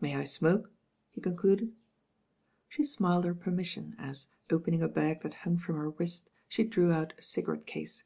May I smoke?" he concluded. She smiled her permission as, opening a bag that hung from her wrist, she drew out a cigarette<ase.